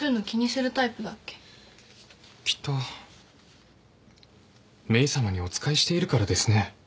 きっとメイさまにお仕えしているからですね。